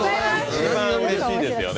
一番うれしいですよね。